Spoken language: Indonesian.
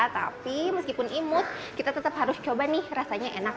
tapi meskipun imut kita tetap harus coba nih rasanya enak